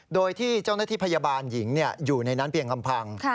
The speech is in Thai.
โดยที่เจ้าหน้าที่พยาบาลหญิงอยู่ในนั้นเพียงลำพัง